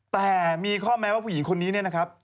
แต่มีข้อแม้ว่าผู้หญิงคนนี้เนี่ยนะครับ